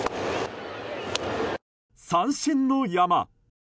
三振の山！